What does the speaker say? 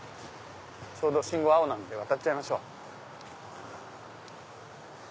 ちょうど信号青なんで渡っちゃいましょう。